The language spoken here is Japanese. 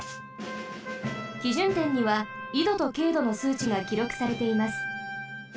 基準点には緯度と経度のすうちがきろくされています。